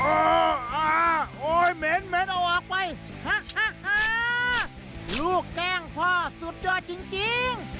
โอ้โหเหม็นเอาออกไปฮะลูกแกล้งพ่อสุดยอดจริง